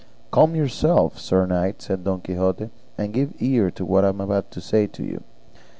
"Calm yourself, sir knight," said Don Quixote, "and give ear to what I am about to say to you.